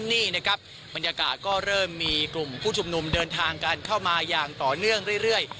นี่นะครับบรรยากาศก็เริ่มมีกลุ่มผู้ชุมนุมเดินทางกันเข้ามาอย่างต่อเนื่องเรื่อย